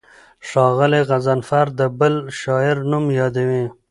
ښاغلی غضنفر د بل شاعر نوم یادوي.